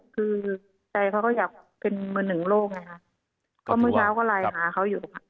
คือใจเค้าก็อยากเป็นเหมือนหนึ่งโลกมื้อเจ้าก็ลายหาเค้าอยู่